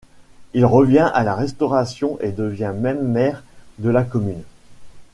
Il revient à la Restauration et devient même maire de la commune.